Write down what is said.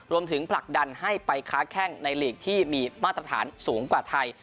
ผลักดันให้ไปค้าแข้งในลีกที่มีมาตรฐานสูงกว่าไทย